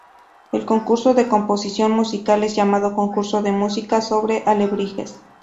El concurso de composición musical es llamado Concurso de Música sobre Alebrijes.